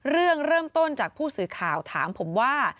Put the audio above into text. เรื่องเริ่มต้นจากผู้สื่อข่าวถามผมว่า